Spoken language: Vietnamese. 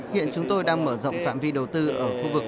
hiện chúng tôi đang mở rộng phạm vi đầu tư ở khu vực